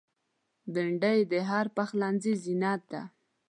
بېنډۍ د هر پخلنځي زینت ده